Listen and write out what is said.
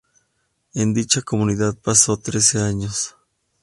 En dicha comunidad pasó trece años.